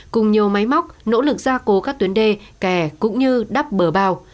cùng nhiều máy móc nỗ lực gia cố các tuyến đê kè cũng như đắp bờ bao